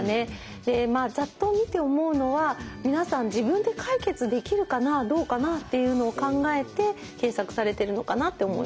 でまあざっと見て思うのは皆さん自分で解決できるかなどうかなっていうのを考えて検索されてるのかなって思いました。